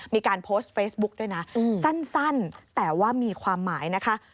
มีการโพสต์เฟซบุ๊กด้วยนะสั้นแต่ว่ามีความหมายนะคะ